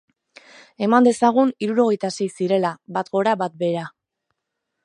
Eman dezagun hirurogeita sei zirela, bat gora bat behera.